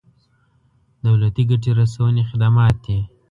دولتي ګټې رسونې خدمات دي.